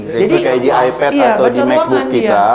jadi kayak di ipad atau di macbook kita